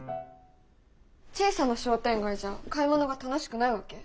小さな商店街じゃ買い物が楽しくないわけ？